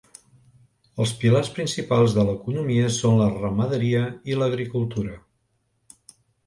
Els pilars principals de l'economia són la ramaderia i l'agricultura.